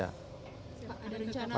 pak ada rencana